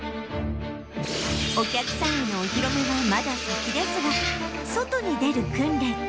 お客さんへのお披露目はまだ先ですが外に出る訓練